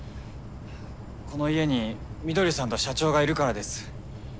この家に翠さんと社長がいるからです。